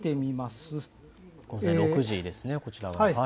午前６時ですね、こちらは。